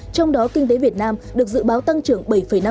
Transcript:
trong đó kinh tế việt nam được dự báo tăng trưởng bảy năm